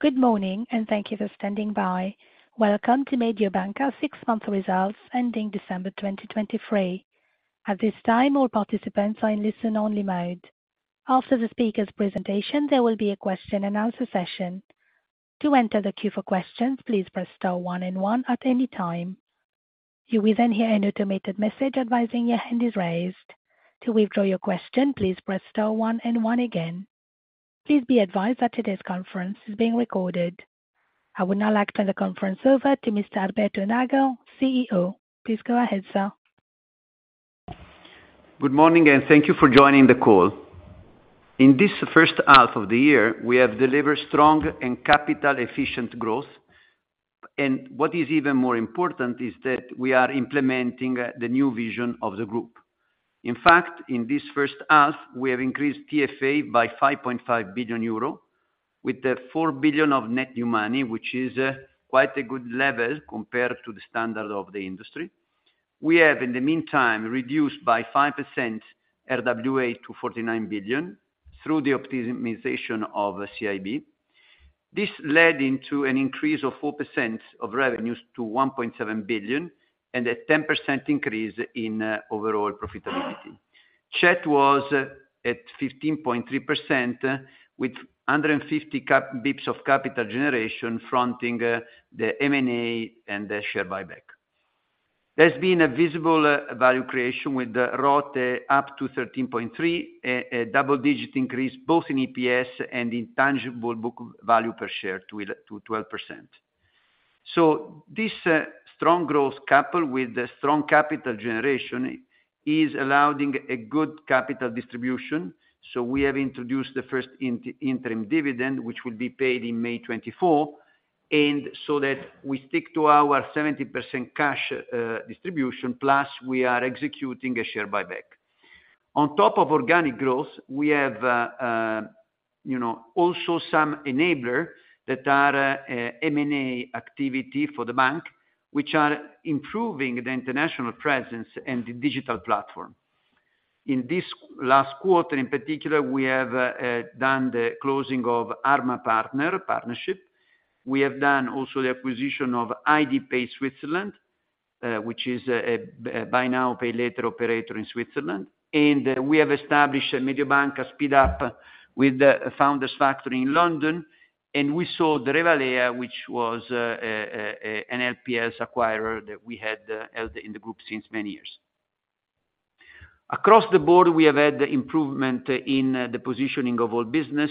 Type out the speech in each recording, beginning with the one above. Good morning, and thank you for standing by. Welcome to Mediobanca's six-month results ending December 2023. At this time, all participants are in listen-only mode. After the speaker's presentation, there will be a question and answer session. To enter the queue for questions, please press star one and one at any time. You will then hear an automated message advising your hand is raised. To withdraw your question, please press star one and one again. Please be advised that today's conference is being recorded. I would now like to turn the conference over to Mr. Alberto Nagel, CEO. Please go ahead, sir. Good morning, and thank you for joining the call. In this first half of the year, we have delivered strong and capital-efficient growth, and what is even more important is that we are implementing the new vision of the group. In fact, in this first half, we have increased TFA by 5.5 billion euro, with 4 billion of net new money, which is quite a good level compared to the standard of the industry. We have, in the meantime, reduced by 5% RWA to 49 billion through the optimization of CIB. This led into an increase of 4% of revenues to 1.7 billion, and a 10% increase in overall profitability. CET1 was at 15.3%, with 150 basis points of capital generation fronting the M&A and the share buyback. There's been a visible value creation with the ROTE up to 13.3%, a double-digit increase, both in EPS and in tangible book value per share to 12%. So this strong growth, coupled with the strong capital generation, is allowing a good capital distribution, so we have introduced the first interim dividend, which will be paid in May 2024, and so that we stick to our 70% cash distribution, plus we are executing a share buyback. On top of organic growth, we have, you know, also some enabler that are M&A activity for the bank, which are improving the international presence and the digital platform. In this last quarter, in particular, we have done the closing of Arma Partners partnership. We have done also the acquisition of HeidiPay Switzerland, which is a buy now, pay later operator in Switzerland. We have established a Mediobanca SpeedUp with the Founders Factory in London, and we saw Revalea, which was an NPL acquirer that we had held in the group since many years. Across the board, we have had the improvement in the positioning of all business.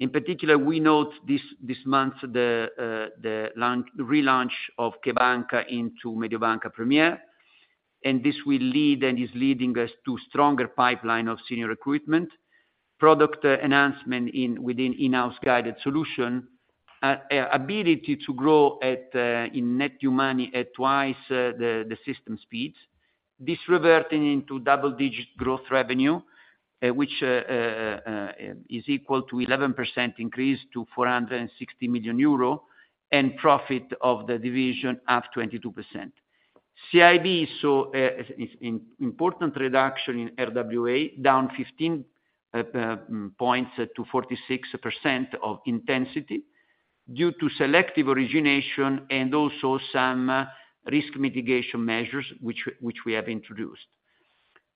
In particular, we note this month the relaunch of CheBanca! into Mediobanca Premier, and this will lead, and is leading us to stronger pipeline of senior recruitment, product enhancement within in-house guided solution, ability to grow in net new money at twice the system speeds. This reverting into double-digit growth revenue, which is equal to 11% increase to 460 million euro, and profit of the division up 22%. CIB saw an important reduction in RWA, down 15 points to 46% of intensity due to selective origination and also some risk mitigation measures, which we have introduced.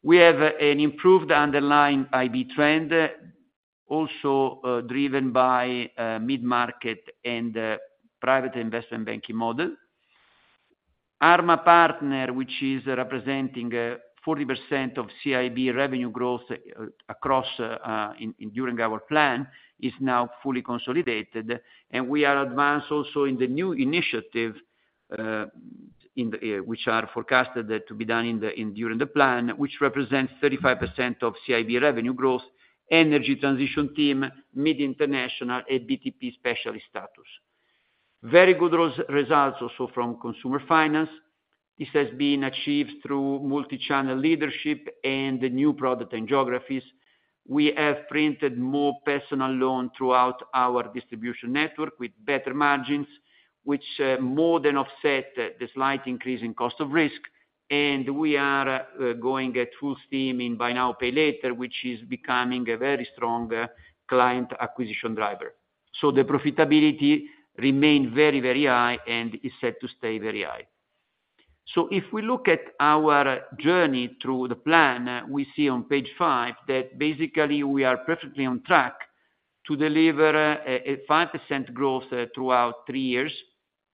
We have an improved underlying IB trend, also driven by mid-market and private investment banking model. Arma Partners, which is representing 40% of CIB revenue growth across during our plan, is now fully consolidated, and we are advanced also in the new initiatives which are forecasted to be done during the plan, which represents 35% of CIB revenue growth, energy transition team, mid international, and BTP specialist status. Very good results also from consumer finance. This has been achieved through multi-channel leadership and the new product and geographies. We have printed more personal loan throughout our distribution network with better margins, which more than offset the slight increase in cost of risk, and we are going at buy now, pay later, which is becoming a very strong client acquisition driver. So the profitability remained very, very high and is set to stay very high. If we look at our journey through the plan, we see on page five that basically we are perfectly on track to deliver a 5% growth throughout three years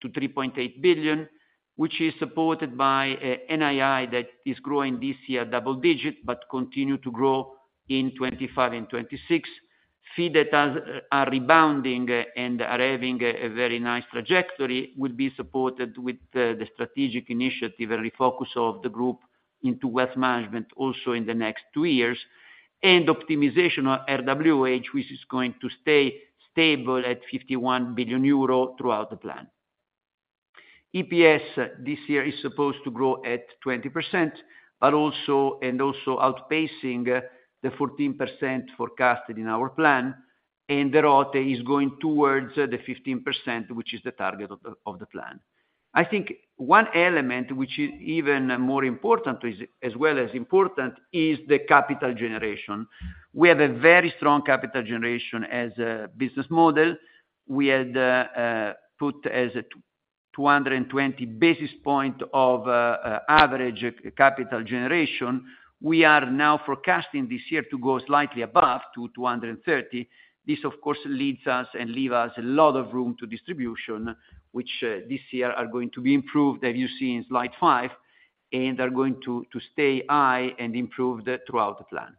to 3.8 billion, which is supported by NII that is growing this year double-digit but continue to grow in 2025 and 2026. Fees that are rebounding and are having a very nice trajectory will be supported with the strategic initiative and refocus of the group into wealth management also in the next two years, and optimization on RWA, which is going to stay stable at 51 billion euro throughout the plan. EPS this year is supposed to grow at 20%, but also, and also outpacing the 14% forecasted in our plan, and the ROTE is going towards the 15%, which is the target of the, of the plan. I think one element which is even more important is, as well as important, is the capital generation. We have a very strong capital generation as a business model. We had put as a 220 basis points of average capital generation. We are now forecasting this year to go slightly above to 230. This, of course, leads us and leave us a lot of room to distribution, which this year are going to be improved, as you see in slide five, and are going to stay high and improve throughout the plan.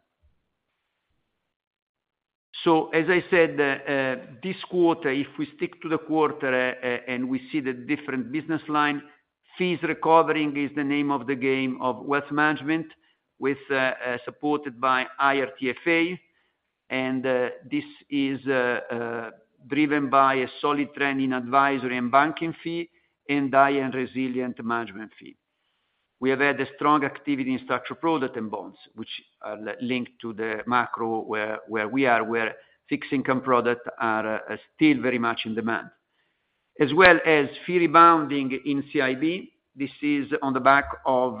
So as I said, this quarter, if we stick to the quarter, and we see the different business line, fees recovering is the name of the game of wealth management, with supported by higher TFA. And this is driven by a solid trend in advisory and banking fee and high-end resilient management fee. We have had a strong activity in structured product and bonds, which linked to the macro, where we are, where fixed income product are still very much in demand. As well as fee rebounding in CIB. This is on the back of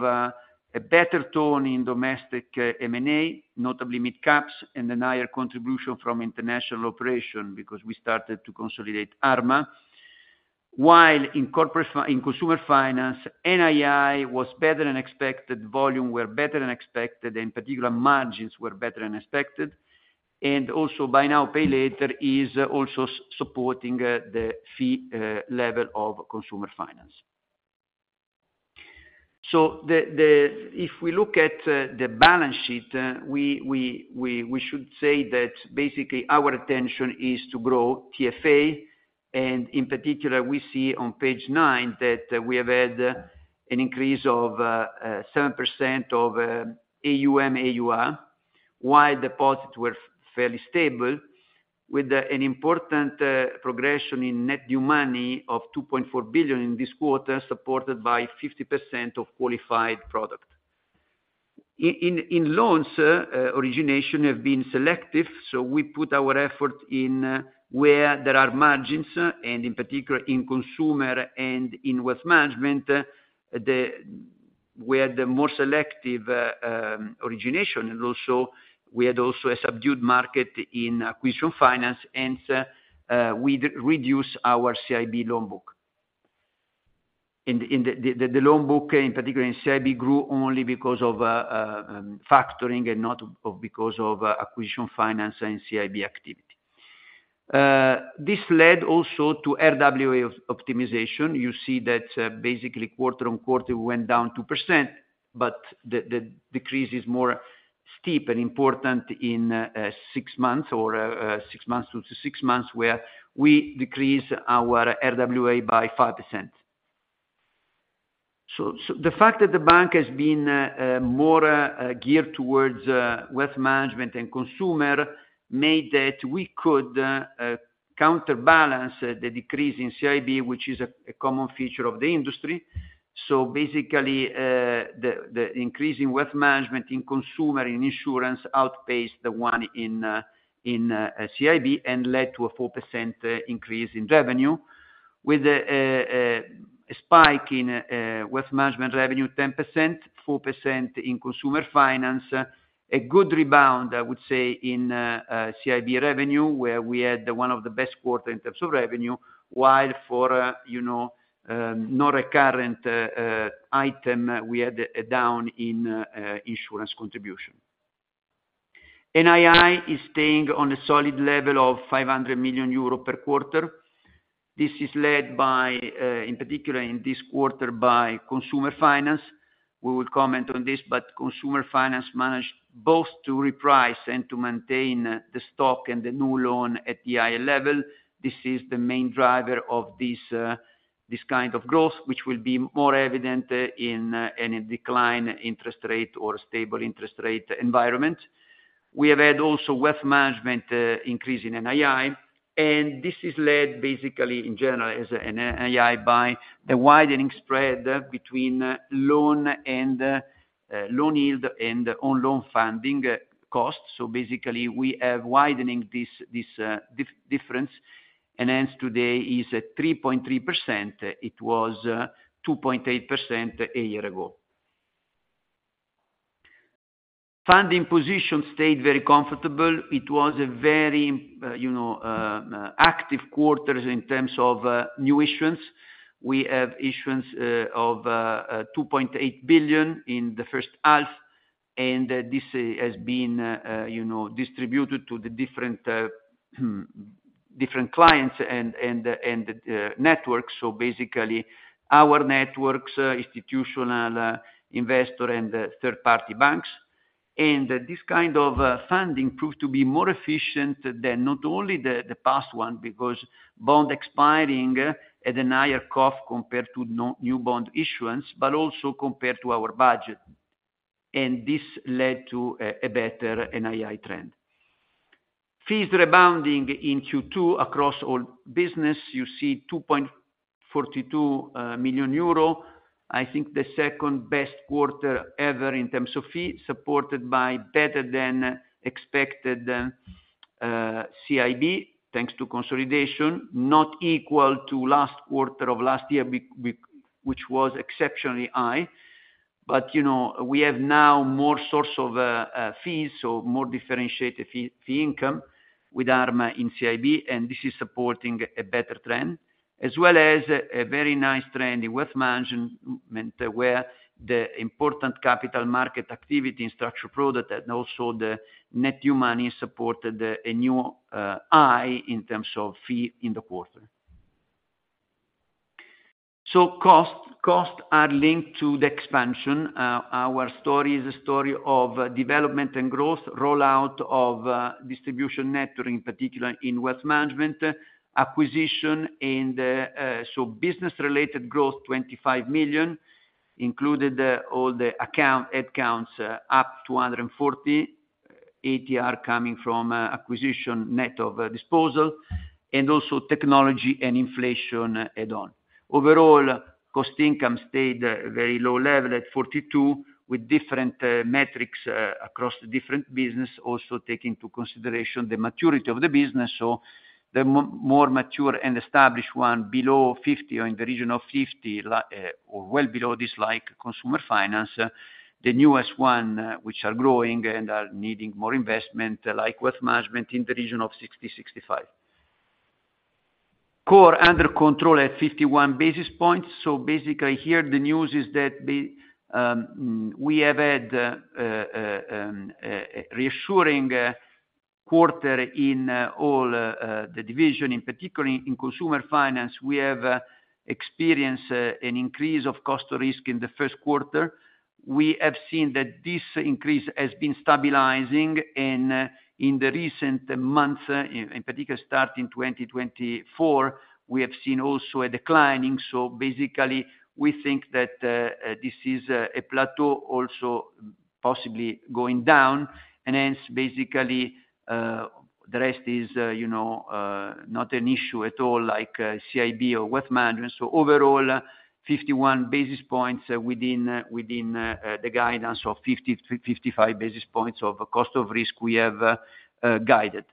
a better tone in domestic M&A, notably midcaps, and a higher contribution from international operation, because we started to consolidate Arma. While in corporate—in consumer finance, NII was better than expected, volumes were better than expected, in particular, margins were better than buy now, pay later is also supporting the fee level of consumer finance. So if we look at the balance sheet, we should say that basically our attention is to grow TFA, and in particular, we see on page nine that we have had an increase of 7% of AUM, AUA, while deposits were fairly stable, with an important progression in net new money of 2.4 billion in this quarter, supported by 50% of qualified product. In loans origination have been selective, so we put our effort in where there are margins, and in particular, in consumer and in wealth management, we had the more selective origination, and we had a subdued market in acquisition finance, and we reduce our CIB loan book. In the loan book, in particular in CIB, grew only because of factoring and not because of acquisition finance and CIB activity. This led also to RWA optimization. You see that, basically quarter-over-quarter, we went down 2%, but the decrease is more steep and important in six months or six months to six months, where we decrease our RWA by 5%. So the fact that the bank has been more geared towards wealth management and consumer made that we could counterbalance the decrease in CIB, which is a common feature of the industry. So basically, the increase in wealth management, in consumer, in insurance outpaced the one in CIB and led to a 4% increase in revenue, with a spike in wealth management revenue, 10%, 4% in consumer finance. A good rebound, I would say, in CIB revenue, where we had one of the best quarter in terms of revenue, while for you know not a current item, we had a down in insurance contribution. NII is staying on a solid level of 500 million euro per quarter. This is led by, in particular, in this quarter, by consumer finance. We will comment on this, but consumer finance managed both to reprice and to maintain the stock and the new loan at the higher level. This is the main driver of this, this kind of growth, which will be more evident, in any decline interest rate or stable interest rate environment. We have had also wealth management, increase in NII, and this is led basically, in general, as NII, by the widening spread between loan and, loan yield and on loan funding costs. So basically, we are widening this difference, and as today is at 3.3%, it was 2.8% a year ago. Funding position stayed very comfortable. It was a very, you know, active quarter in terms of, new issuance. We have issuance of 2.8 billion in the first half, and this has been, you know, distributed to the different clients and networks. So basically, our networks, institutional investor, and third-party banks. And this kind of funding proved to be more efficient than not only the past one, because bond expiring at a higher cost compared to new bond issuance, but also compared to our budget. And this led to a better NII trend. Fees rebounding in Q2 across all business, you see 2.42 million euro. I think the second best quarter ever in terms of fee, supported by better than expected CIB, thanks to consolidation, not equal to last quarter of last year, which was exceptionally high. But, you know, we have now more source of fees, so more differentiated fee income with Arma in CIB, and this is supporting a better trend, as well as a very nice trend in wealth management, where the important capital market activity in structured product, and also the net new money supported a new high in terms of fees in the quarter. Costs are linked to the expansion. Our story is a story of development and growth, rollout of distribution network, in particular in wealth management, acquisition in the. So business-related growth, 25 million, included all the account headcounts up to 140, FTE coming from acquisition net of disposal, and also technology and inflation add on. Overall, cost income stayed at very low level, at 42, with different metrics across the different business, also take into consideration the maturity of the business, so the more mature and established one below 50 or in the region of 50, or well below this, like Consumer Finance, the newest one, which are growing and are needing more investment, like Wealth Management in the region of 60, 65. Core under control at 51 basis points, so basically here the news is that we have had a reassuring quarter in all the division, in particular in Consumer Finance, we have experienced an increase of cost to risk in the first quarter. We have seen that this increase has been stabilizing in the recent months, in particular, starting 2024, we have seen also a declining. So basically, we think that this is a plateau also possibly going down, and hence, basically, the rest is, you know, not an issue at all, like CIB or wealth management. So overall, 51 basis points within the guidance of 50-55 basis points of cost of risk we have guided.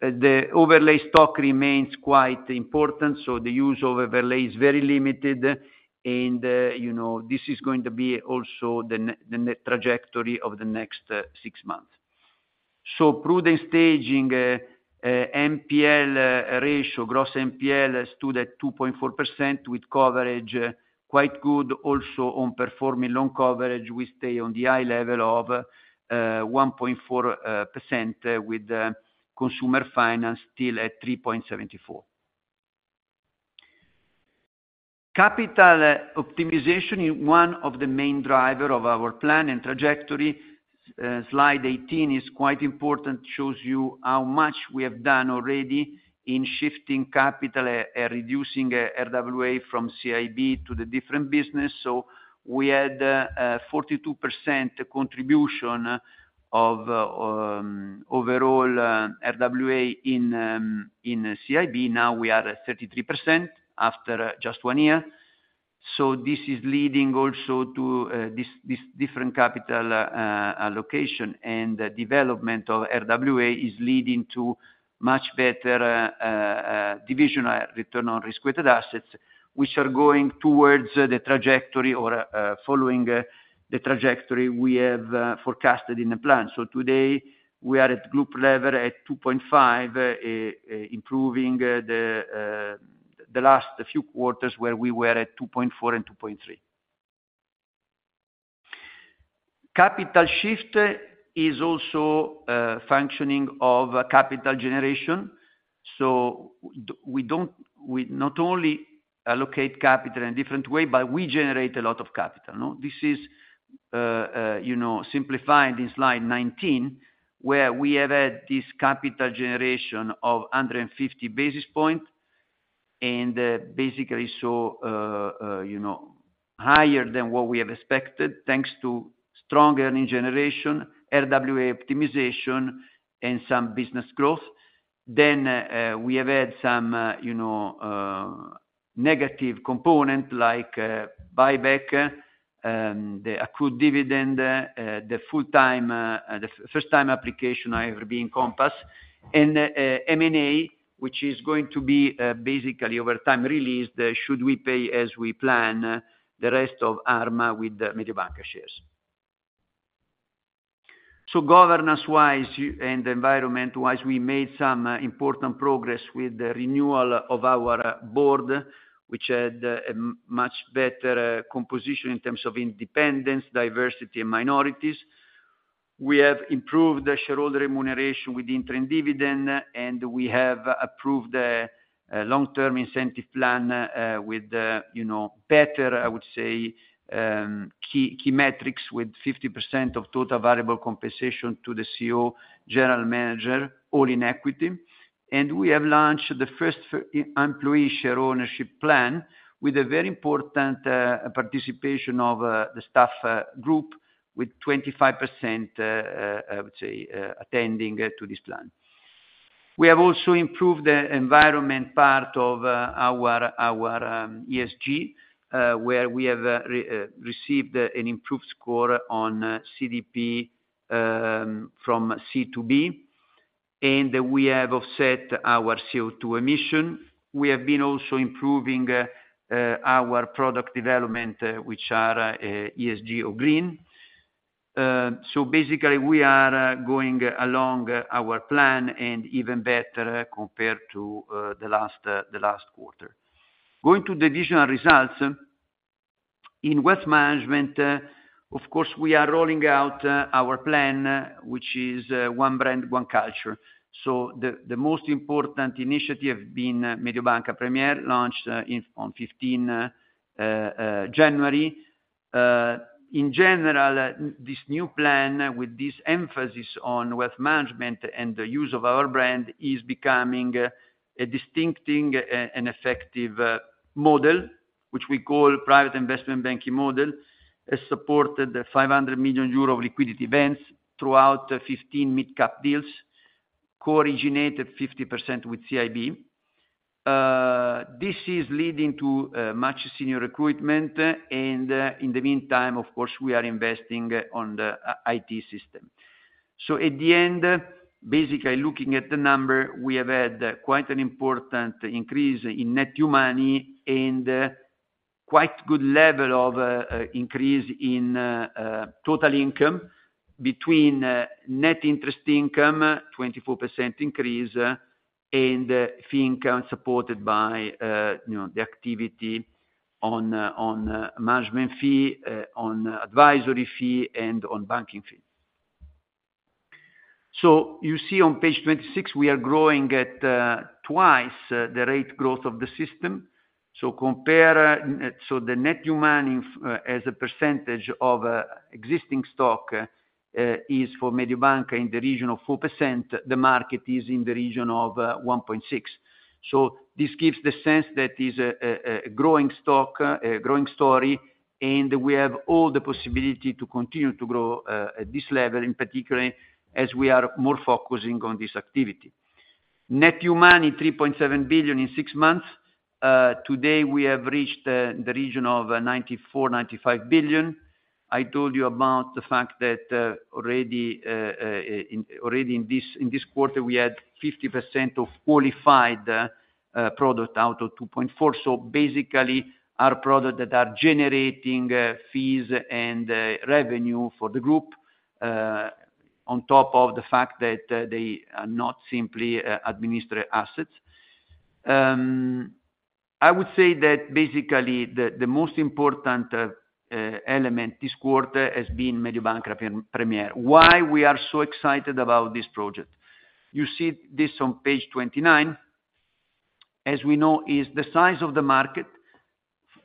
The overlay stock remains quite important, so the use of overlay is very limited and, you know, this is going to be also the trajectory of the next six months. So prudent staging, NPL ratio, gross NPL stood at 2.4%, with coverage quite good. Also on performing loan coverage, we stay on the high level of 1.4% with the consumer finance still at 3.74%. Capital optimization is one of the main driver of our plan and trajectory. Slide 18 is quite important, shows you how much we have done already in shifting capital and reducing RWA from CIB to the different business. So we had 42% contribution of overall RWA in CIB. Now, we are at 33% after just one year. So this is leading also to this different capital allocation, and the development of RWA is leading to much better divisional return on risk-weighted assets, which are going towards the trajectory or following the trajectory we have forecasted in the plan. So today, we are at group level at 2.5%, improving the last few quarters, where we were at 2.4% and 2.3%. Capital shift is also functioning of capital generation, so we not only allocate capital in a different way, but we generate a lot of capital, no? This is, you know, simplified in slide 19, where we have had this capital generation of 150 basis points, and basically, so, you know, higher than what we have expected, thanks to strong earnings generation, RWA optimization, and some business growth. Then, we have had some, you know, negative component, like, buyback, the accrued dividend, the first time application, however, being Compass, and, M&A, which is going to be, basically, over time released, should we pay as we plan the rest of Arma with the Mediobanca shares. So governance-wise and environment-wise, we made some, important progress with the renewal of our board, which had a much better, composition in terms of independence, diversity, and minorities. We have improved the shareholder remuneration with interim dividend, and we have approved a long-term incentive plan, with, you know, better, I would say, key metrics with 50% of total variable compensation to the CEO, general manager, all in equity. We have launched the first employee share ownership plan with a very important participation of the staff group, with 25%, I would say, attending to this plan. We have also improved the environment part of our ESG, where we have received an improved score on CDP, from C to B, and we have offset our CO2 emission. We have been also improving our product development, which are ESG or green. So basically, we are going along our plan and even better compared to the last quarter. Going to the divisional results, in wealth management, of course, we are rolling out our plan, which is one brand, one culture. So the most important initiative being Mediobanca Premier, launched on 15 January. In general, this new plan with this emphasis on wealth management and the use of our brand is becoming a distinguishing and effective model, which we call private investment banking model, has supported 500 million euro of liquidity events throughout the 15 mid-cap deals, co-originated 50% with CIB. This is leading to much senior recruitment, and in the meantime, of course, we are investing on the IT system. So at the end, basically, looking at the number, we have had quite an important increase in net new money and, quite good level of, increase in, total income between, net interest income, 24% increase, and, fee income supported by, you know, the activity on, on, management fee, on advisory fee, and on banking fee. So you see on page 26, we are growing at, twice, the rate growth of the system. So compare, so the net new money, as a percentage of existing stock is for Mediobanca in the region of 4%. The market is in the region of 1.6%. This gives the sense that is a growing stock, a growing story, and we have all the possibility to continue to grow at this level, in particular as we are more focusing on this activity. Net new money, 3.7 billion in six months. Today, we have reached the region of 94-95 billion. I told you about the fact that already in this quarter, we had 50% of qualified product out of 2.4%, so basically, our product that are generating fees and revenue for the group on top of the fact that they are not simply administer assets. I would say that basically, the most important element this quarter has been Mediobanca Premier. Why we are so excited about this project? You see this on page 29. As we know, is the size of the market,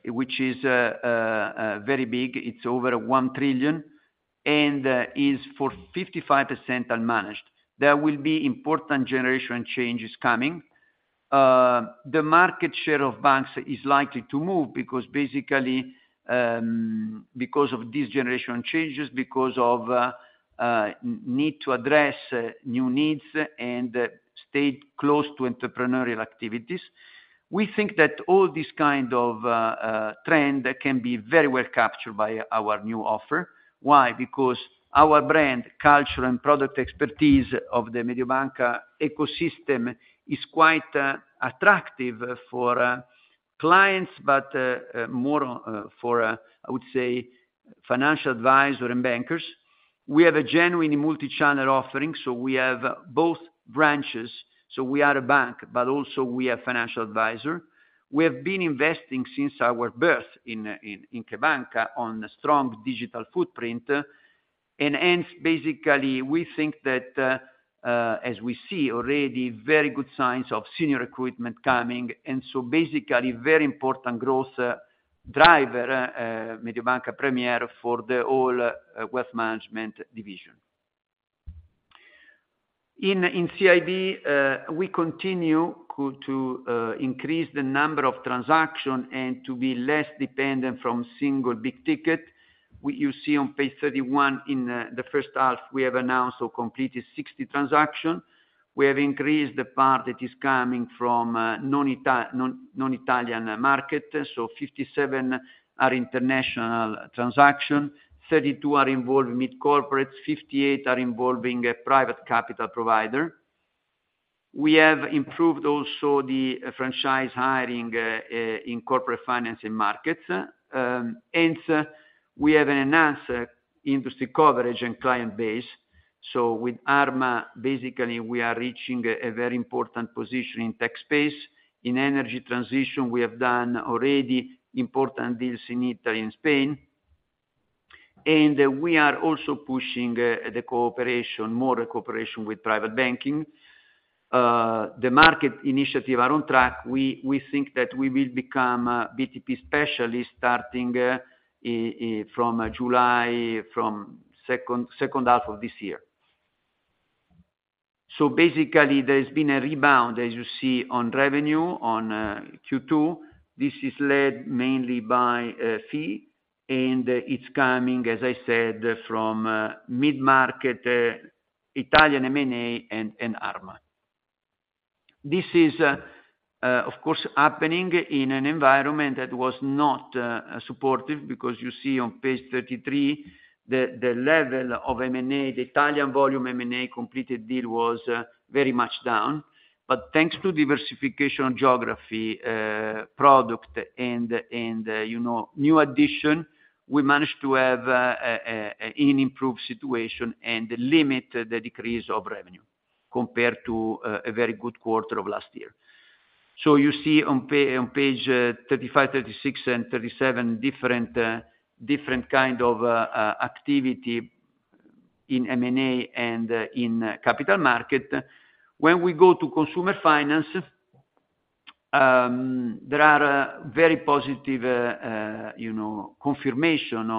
which is very big. It's over 1 trillion, and is for 55% unmanaged. There will be important generation changes coming. The market share of banks is likely to move because basically, because of this generation changes, because of need to address new needs and stay close to entrepreneurial activities. We think that all this kind of trend can be very well captured by our new offer. Why? Because our brand, culture, and product expertise of the Mediobanca ecosystem is quite attractive for clients, but more for, I would say, financial advisor and bankers. We have a genuine multi-channel offering, so we have both branches, so we are a bank, but also we are financial advisor. We have been investing since our birth in CheBanca! on a strong digital footprint, and hence, basically, we think that, as we see already very good signs of senior recruitment coming, and so basically, very important growth driver, Mediobanca Premier for the whole, wealth management division. In CIB, we continue to increase the number of transaction and to be less dependent from single big ticket. You see on page 31, in the first half, we have announced or completed 60 transaction. We have increased the part that is coming from, non-Italian market, so 57 are international transaction, 32 are involved mid corporates, 58 are involving a private capital provider. We have improved also the franchise hiring in corporate financing markets, and we have enhanced industry coverage and client base. So with Arma, basically, we are reaching a very important position in tech space. In energy transition, we have done already important deals in Italy and Spain, and we are also pushing the cooperation, more cooperation with private banking. The market initiative are on track. We think that we will become BTP specialist starting from July, from second half of this year. So basically, there's been a rebound, as you see, on revenue on Q2. This is led mainly by fee and it's coming, as I said, from mid-market Italian M&A and Arma. This is, of course, happening in an environment that was not supportive, because you see on page 33, the level of M&A, the Italian volume M&A completed deal was very much down. But thanks to diversification geography, product, and, you know, new addition, we managed to have an improved situation and limit the decrease of revenue compared to a very good quarter of last year. So you see on page 35, 36, and 37, different kind of activity in M&A and in capital market. When we go to consumer finance, there are very positive, you know, confirmation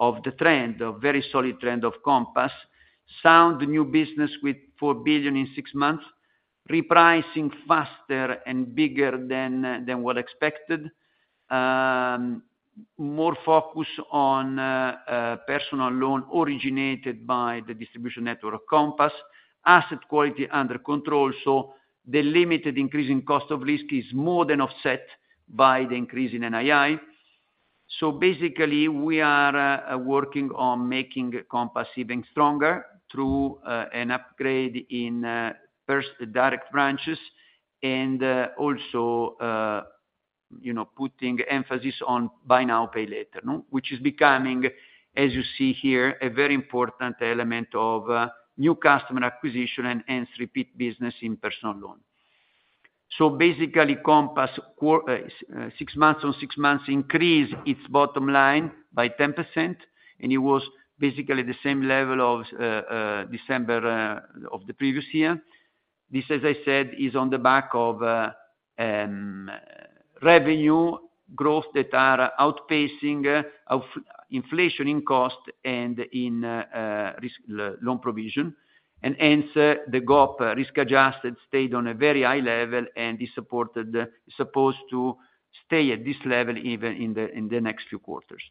of the trend, a very solid trend of Compass, sound new business with 4 billion in six months, repricing faster and bigger than what expected. More focus on personal loan originated by the distribution network of Compass, asset quality under control, so the limited increase in cost of risk is more than offset by the increase in NII. So basically, we are working on making Compass even stronger through an upgrade in first direct branches, and also, you know, buy now, pay later, no? Which is becoming, as you see here, a very important element of new customer acquisition and, hence, repeat business in personal loan. So basically, Compass six months on six months increased its bottom line by 10%, and it was basically the same level of December of the previous year. This, as I said, is on the back of revenue growth that are outpacing of inflation in cost and in risk loan provision, and hence, the GOP risk-adjusted stayed on a very high level and is supported, supposed to stay at this level even in the next few quarters.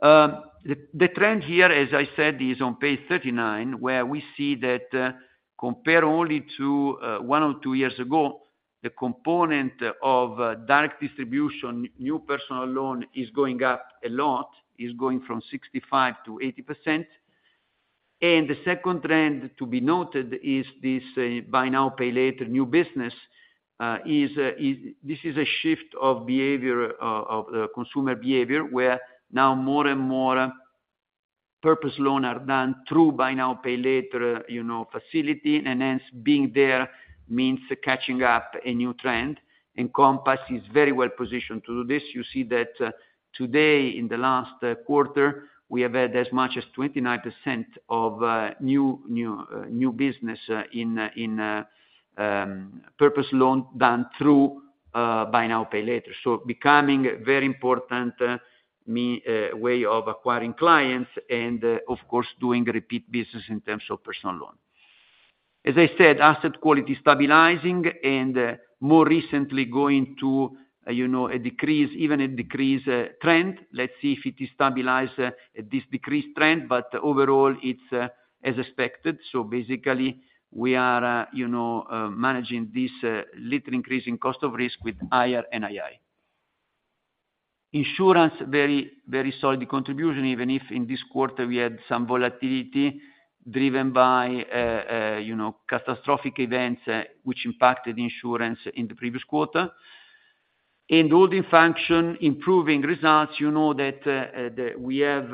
The trend here, as I said, is on page 39, where we see that compare only to one or two years ago, the component of direct distribution, new personal loan is going up a lot, is going from 65%-80%. And the second trend to be buy now, pay later new business, is—this is a shift of behavior, of, consumer behavior, where now more and more purpose loan buy now, pay later, you know, facility, and hence, being there means catching up a new trend, and Compass is very well positioned to do this. You see that, today, in the last quarter, we have had as much as 29% of new business in purpose buy now, pay later. So becoming very important way of acquiring clients and, of course, doing repeat business in terms of personal loan. As I said, asset quality stabilizing and, more recently going to, you know, a decrease, even a decrease, trend. Let's see if it is stabilized, this decrease trend, but overall, it's, as expected. So basically, we are, you know, managing this, little increase in cost of risk with higher NII. Insurance, very, very solid contribution, even if in this quarter we had some volatility driven by, you know, catastrophic events, which impacted insurance in the previous quarter. And holding function, improving results, you know, that, we have,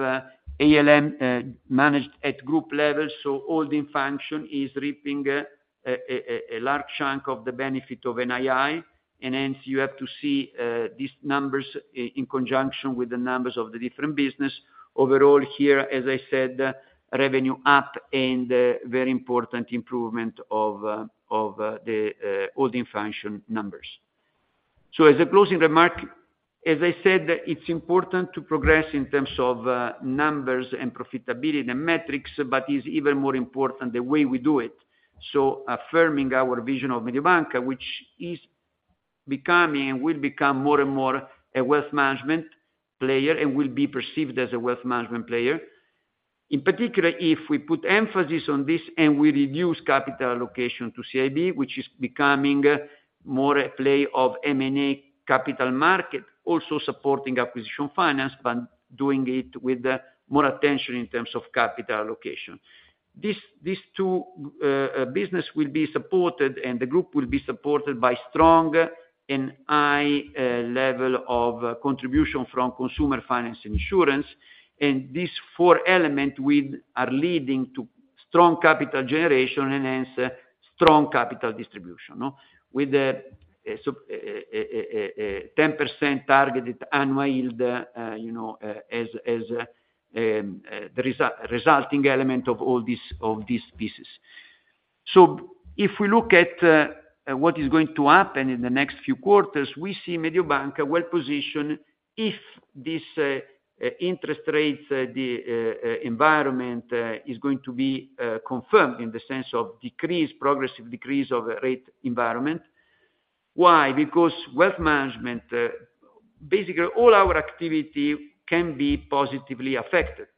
ALM, managed at group level, so holding function is reaping, a large chunk of the benefit of NII, and hence, you have to see, these numbers in conjunction with the numbers of the different business. Overall, here, as I said, revenue up and, very important improvement of the holding function numbers. So as a closing remark, as I said, it's important to progress in terms of numbers and profitability and the metrics, but it's even more important the way we do it. So affirming our vision of Mediobanca, which is becoming and will become more and more a wealth management player, and will be perceived as a wealth management player. In particular, if we put emphasis on this and we reduce capital allocation to CIB, which is becoming more a play of M&A capital market, also supporting acquisition finance, but doing it with more attention in terms of capital allocation. These two business will be supported, and the group will be supported by strong and high level of contribution from Consumer Finance, Insurance, and these four element are leading to strong capital generation, and hence, strong capital distribution, no? With a 10% targeted annual yield, you know, as the resulting element of all these, of these pieces. So if we look at what is going to happen in the next few quarters, we see Mediobanca well-positioned if this interest rates environment is going to be confirmed in the sense of decrease, progressive decrease of rate environment. Why? Because Wealth Management, basically all our activity can be positively affected.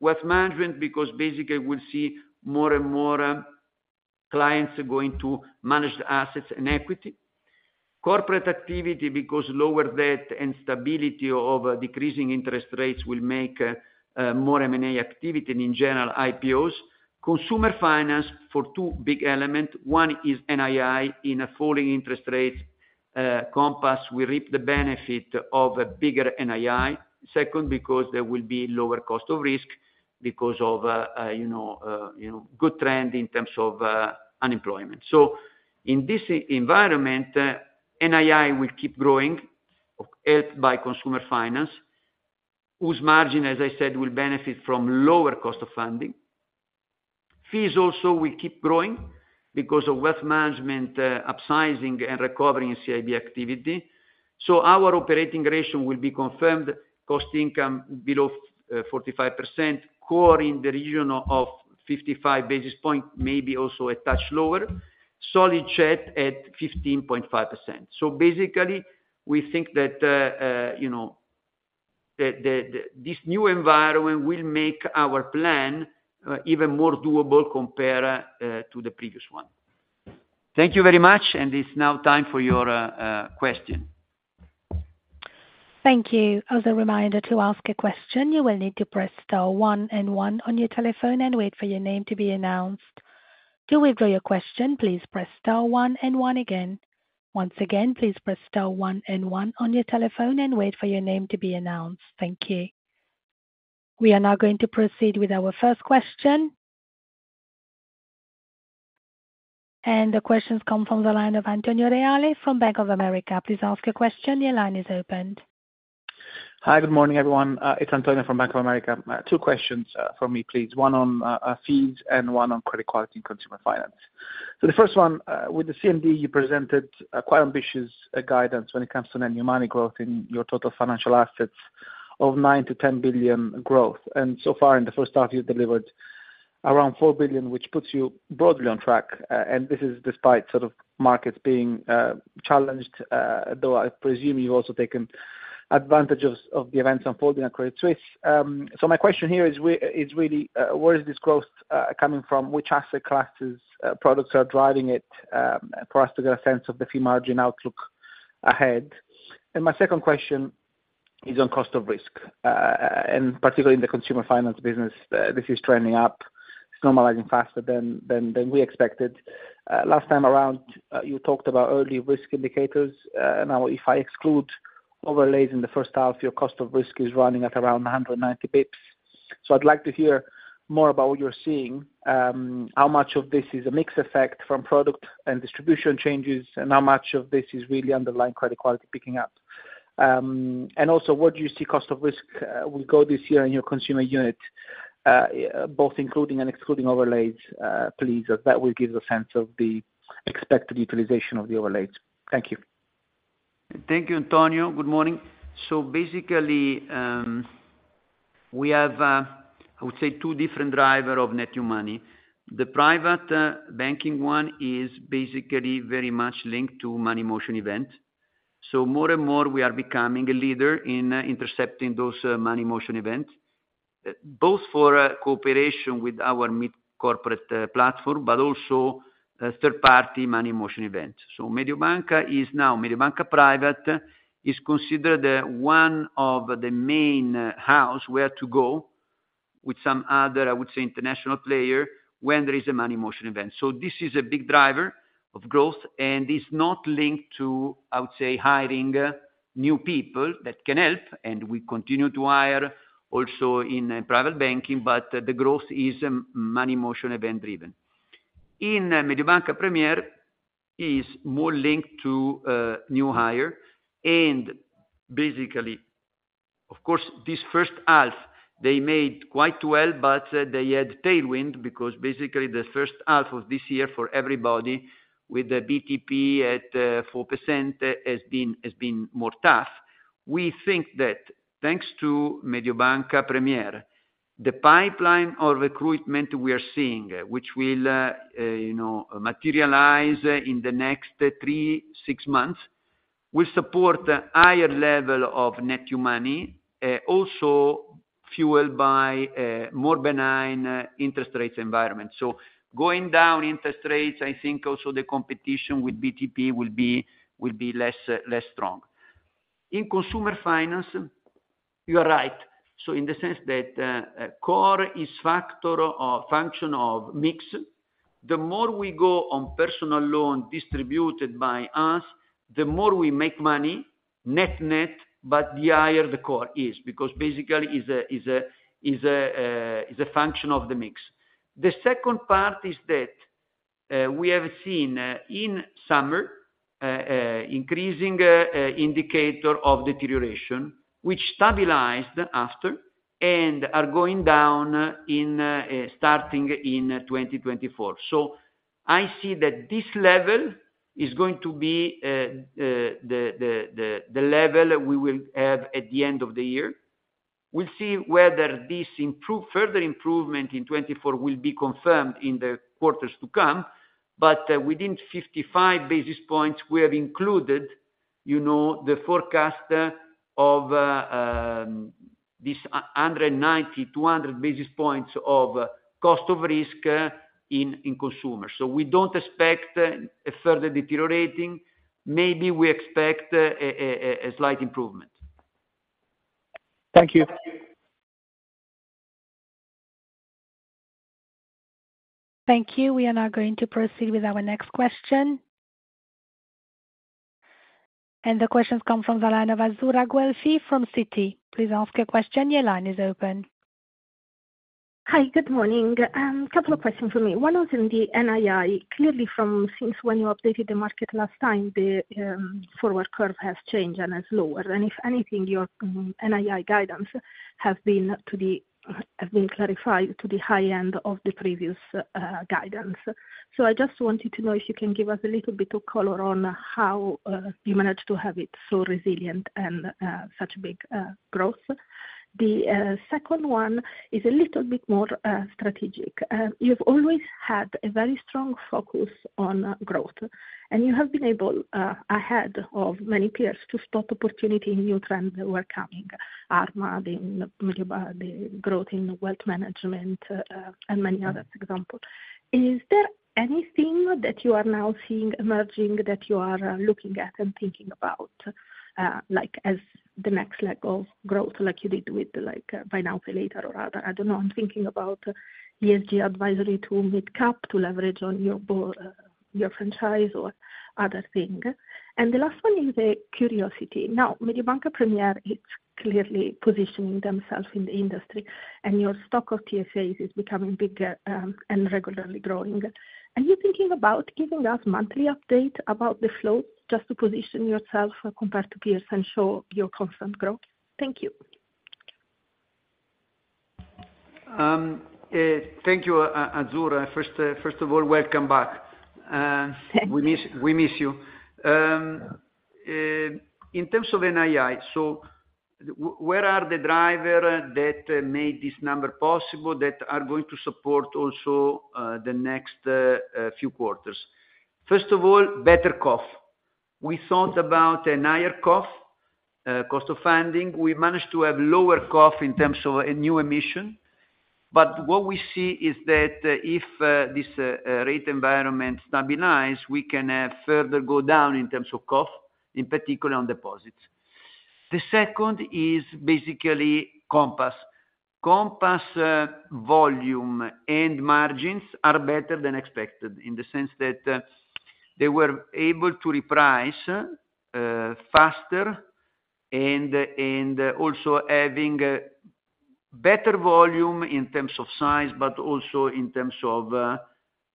Wealth Management, because basically we'll see more and more, clients going to manage the assets and equity. Corporate activity, because lower debt and stability of decreasing interest rates will make, more M&A activity, and in general, IPOs. Consumer Finance for two big element. One is NII. In a falling interest rate, Compass, we reap the benefit of a bigger NII. Second, because there will be lower cost of risk because of, you know, you know, good trend in terms of, unemployment. So in this environment, NII will keep growing, helped by Consumer Finance, whose margin, as I said, will benefit from lower cost of funding. Fees also will keep growing because of Wealth Management, upsizing and recovering in CIB activity. So our operating ratio will be confirmed. Cost/income below 45%, CoR in the region of 55 basis points, maybe also a touch lower, solid CET1 at 15.5%. So basically, we think that, you know, this new environment will make our plan even more doable compared to the previous one. Thank you very much, and it's now time for your question. Thank you. As a reminder, to ask a question, you will need to press star one and one on your telephone and wait for your name to be announced. To withdraw your question, please press star one and one again. Once again, please press star one and one on your telephone and wait for your name to be announced. Thank you. We are now going to proceed with our first question. The questions come from the line of Antonio Reale from Bank of America. Please ask your question. Your line is open. Hi, good morning, everyone. It's Antonio from Bank of America. Two questions for me, please. One on fees and one on credit quality and consumer finance. So the first one, with the CMD, you presented a quite ambitious guidance when it comes to new money growth in your total financial assets of 9 billion-10 billion growth, and so far, in the first half, you've delivered around 4 billion, which puts you broadly on track, and this is despite sort of markets being challenged, though I presume you've also taken advantage of the events unfolding at Credit Suisse. So my question here is is really where is this growth coming from? Which asset classes, products are driving it, for us to get a sense of the fee margin outlook ahead. My second question is on cost of risk, and particularly in the consumer finance business, this is trending up. It's normalizing faster than we expected. Last time around, you talked about early risk indicators. Now, if I exclude overlays in the first half, your cost of risk is running at around 190 basis points. So I'd like to hear more about what you're seeing, how much of this is a mix effect from product and distribution changes, and how much of this is really underlying credit quality picking up? And also, what do you see cost of risk will go this year in your consumer unit, both including and excluding overlays, please, as that will give a sense of the expected utilization of the overlays. Thank you. Thank you, Antonio. Good morning. So basically, we have, I would say two different driver of net new money. The private, banking one is basically very much linked to money motion event. So more and more, we are becoming a leader in intercepting those, money motion event, both for cooperation with our mid-corporate, platform, but also, third-party money motion event. So Mediobanca is now, Mediobanca Private, is considered one of the main house where to go with some other, I would say, international player, when there is a money motion event. So this is a big driver of growth, and it's not linked to, I would say, hiring, new people. That can help, and we continue to hire also in private banking, but the growth is, money motion event-driven. In Mediobanca Premier, is more linked to, new hire, and basically, Of course, this first half, they made quite well, but they had tailwind, because basically the first half of this year for everybody with the BTP at 4%, has been more tough. We think that thanks to Mediobanca Premier, the pipeline of recruitment we are seeing, which will, you know, materialize in the next three to six months, will support a higher level of net new money, also fueled by a more benign interest rates environment. So going down interest rates, I think also the competition with BTP will be less strong. In consumer finance, you are right, so in the sense that core is factor or function of mix. The more we go on personal loan distributed by us, the more we make money, net, but the higher the CoR is, because basically is a function of the mix. The second part is that, we have seen, in summer, increasing, indicator of deterioration, which stabilized after and are going down in, starting in 2024. So I see that this level is going to be, the level we will have at the end of the year. We'll see whether this improve, further improvement in 2024 will be confirmed in the quarters to come. But, within 55 basis points, we have included, you know, the forecast of, this 190-200 basis points of cost of risk in consumer. So we don't expect a further deteriorating. Maybe we expect a slight improvement. Thank you. Thank you. We are now going to proceed with our next question. The question comes from the line of Azzurra Guelfi from Citi. Please ask your question. Your line is open. Hi, good morning. Couple of questions for me. One of them, the NII, clearly from since when you updated the market last time, the forward curve has changed and is lower, and if anything, your NII guidance has been to the have been clarified to the high end of the previous guidance. So I just wanted to know if you can give us a little bit of color on how you managed to have it so resilient and such big growth. The second one is a little bit more strategic. You've always had a very strong focus on growth, and you have been able, ahead of many peers, to spot opportunity in new trends that were coming. Arma, the growth in wealth management, and many other examples. Is there anything that you are now seeing emerging, that you are looking at and thinking about, like, as the next leg of growth, like you buy now, pay later or other? I don't know. I'm thinking about ESG advisory to mid-cap to leverage on your your franchise or other thing. And the last one is a curiosity. Now, Mediobanca Premier is clearly positioning themselves in the industry, and your stock of TFAs is becoming bigger, and regularly growing. Are you thinking about giving us monthly update about the flow, just to position yourself compared to peers and show your constant growth? Thank you. Thank you, Azzurra. First of all, welcome back. Thank you. We miss, we miss you. In terms of NII, so where are the driver that made this number possible, that are going to support also the next few quarters? First of all, better CoF. We thought about a higher CoF, cost of funding. We managed to have lower CoF in terms of a new emission, but what we see is that if this rate environment stabilizes, we can further go down in terms of CoF, in particular on deposits. The second is basically Compass. Compass volume and margins are better than expected, in the sense that they were able to reprice faster and also having better volume in terms of size, but also in terms of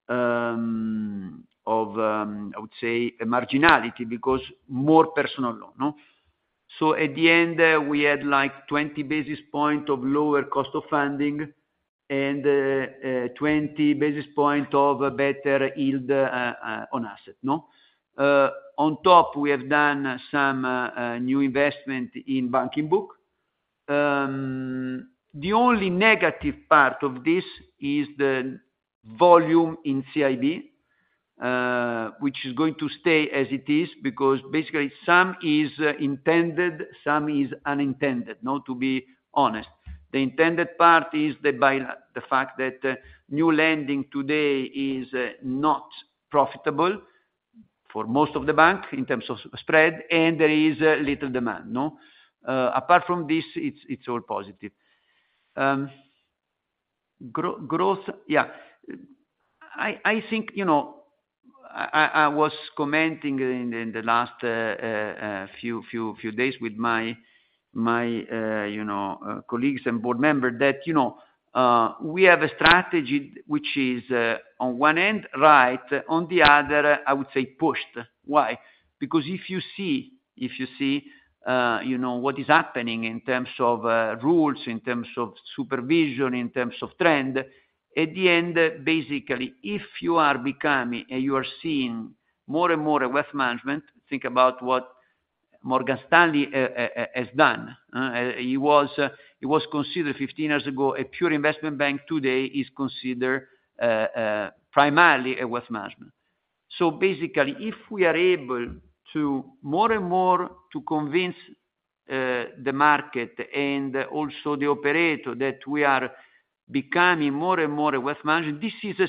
I would say marginality, because more personal loan, no? So at the end, we had, like, 20 basis points of lower cost of funding and 20 basis points of better yield on asset, no? On top, we have done some new investment in banking book. The only negative part of this is the volume in CIB, which is going to stay as it is, because basically some is intended, some is unintended, now, to be honest. The intended part is the fact that new lending today is not profitable for most of the bank in terms of spread, and there is little demand, no? Apart from this, it's all positive. Growth, yeah. I think, you know, I was commenting in the last few days with my colleagues and board member, that we have a strategy which is on one end right, on the other, I would say, pushed. Why? Because if you see, you know, what is happening in terms of rules, in terms of supervision, in terms of trend, at the end, basically, if you are becoming, and you are seeing more and more a wealth management, think about what Morgan Stanley has done. He was considered 15 years ago, a pure investment bank. Today, he's considered primarily a wealth management. So basically, if we are able to more and more to convince the market and also the operator that we are becoming more and more a wealth management, this is a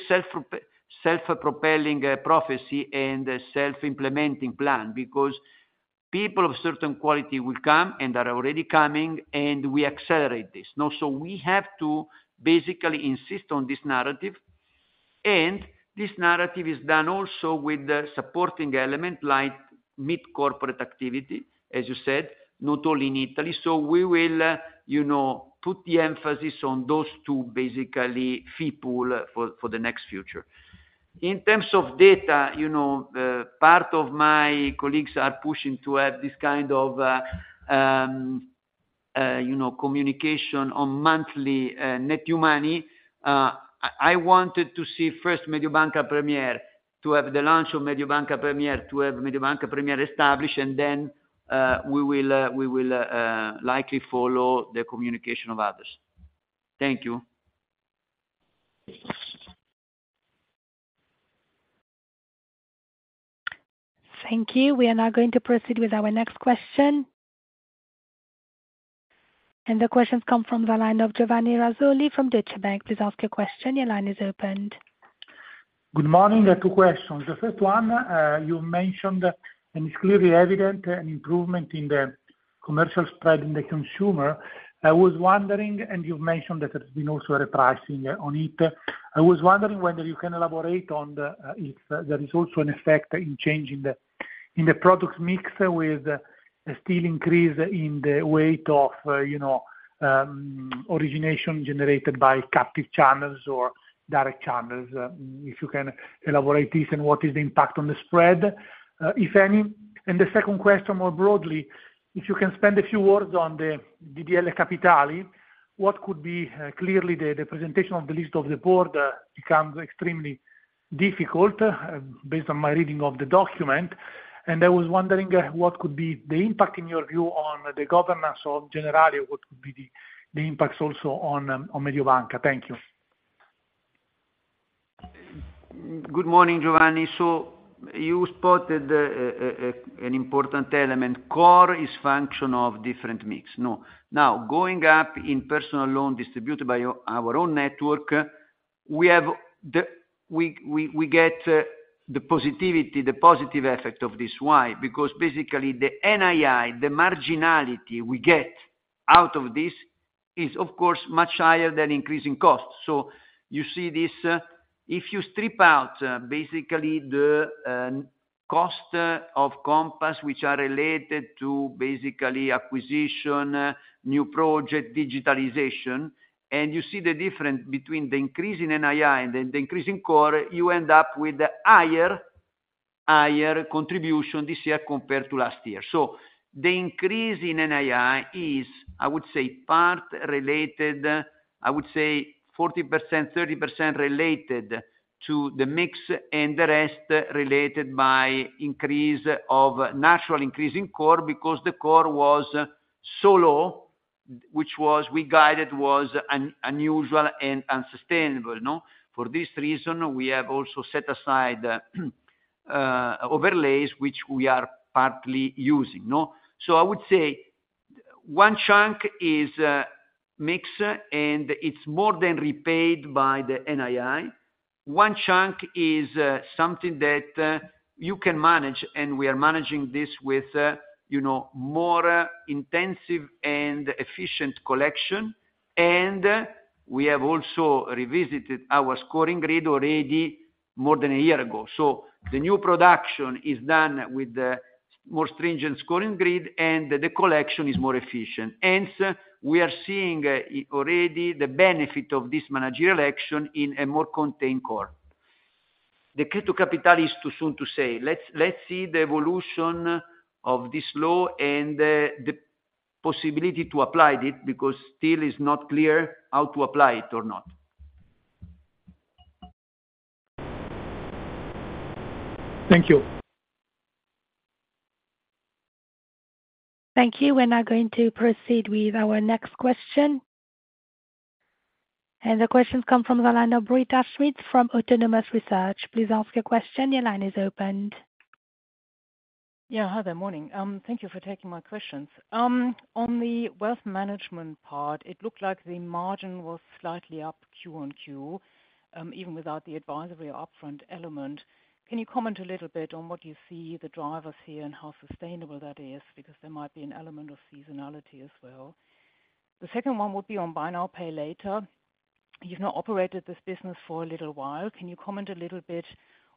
self-propelling prophecy and a self-implementing plan. Because people of certain quality will come, and they're already coming, and we accelerate this, no? So we have to basically insist on this narrative, and this narrative is done also with the supporting element, like mid-corporate activity, as you said, not only in Italy. So we will, you know, put the emphasis on those two, basically, fee pool for the next future. In terms of data, you know, part of my colleagues are pushing to have this kind of, you know, communication on monthly net new money. I wanted to see first Mediobanca Premierto have the launch of Mediobanca Premier, to have Mediobanca Premier established, and then, we will likely follow the communication of others. Thank you. Thank you. We are now going to proceed with our next question. The question comes from the line of Giovanni Razzoli from Deutsche Bank. Please ask your question. Your line is opened. Good morning. I have two questions. The first one, you mentioned, and it's clearly evident, an improvement in the commercial spread in the consumer. I was wondering, and you've mentioned that there's been also a repricing on it. I was wondering whether you can elaborate on the, if there is also an effect in changing the, in the product mix with a still increase in the weight of, you know, origination generated by captive channels or direct channels. If you can elaborate this, and what is the impact on the spread, if any? And the second question, more broadly, if you can spend a few words on the DDL Capitali, what could be, clearly the representation of the list of the board, becomes extremely difficult, based on my reading of the document. I was wondering what could be the impact, in your view, on the governance of Generali? What could be the impacts also on Mediobanca? Thank you. Good morning, Giovanni. So you spotted an important element. Core is function of different mix. No. Now, going up in personal loan distributed by our own network, we have the positivity, the positive effect of this. Why? Because basically, the NII, the marginality we get out of this is, of course, much higher than increasing costs. So you see this, if you strip out basically the cost of Compass, which are related to basically acquisition, new project, digitalization, and you see the difference between the increase in NII and the increase in core, you end up with a higher contribution this year compared to last year. So the increase in NII is, I would say, part related. I would say 40%, 30% related to the mix, and the rest related by increase of natural increase in core, because the core was so low, which we guided was unusual and unsustainable, no? For this reason, we have also set aside overlays, which we are partly using, no? So I would say one chunk is mix, and it's more than repaid by the NII. One chunk is something that you can manage, and we are managing this with you know, more intensive and efficient collection. And we have also revisited our scoring grid already more than a year ago. So the new production is done with the more stringent scoring grid, and the collection is more efficient. Hence, we are seeing already the benefit of this managerial action in a more contained core. The CET1 capital is too soon to say. Let's, let's see the evolution of this law and the possibility to apply it, because still is not clear how to apply it or not. Thank you. Thank you. We're now going to proceed with our next question. The question comes from the line of Britta Schmidt from Autonomous Research. Please ask your question. Your line is opened. Yeah. Hi there. Morning, thank you for taking my questions. On the wealth management part, it looked like the margin was slightly up Q on Q, even without the advisory or upfront element. Can you comment a little bit on what you see the drivers here, and how sustainable that is? Because there might be an element of seasonality as well. The second one buy now, pay later. You've now operated this business for a little while. Can you comment a little bit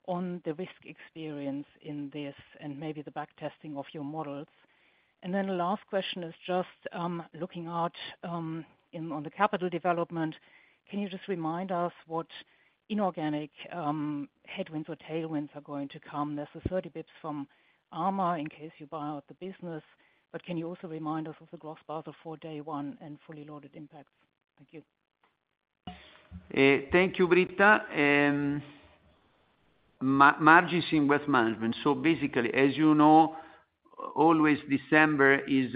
on the risk experience in this and maybe the back testing of your models? And then the last question is just, looking at, in, on the capital development, can you just remind us what inorganic, headwinds or tailwinds are going to come? There's the 30 basis points from Arma in case you buy out the business, but can you also remind us of the gross impact for day one and fully loaded impacts? Thank you. Thank you, Britta. Margins in wealth management. So basically, as you know, always December is,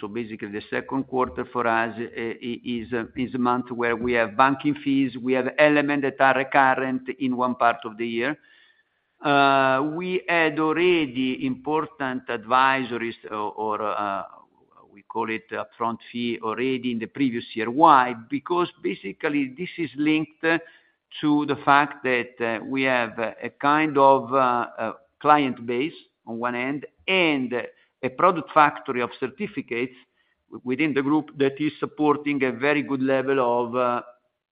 so basically, the second quarter for us, is a month where we have banking fees, we have elements that are recurrent in one part of the year. We had already important advisories or we call it upfront fee, already in the previous year. Why? Because basically, this is linked to the fact that, we have a kind of client base on one end, and a product factory of certificates within the group that is supporting a very good level of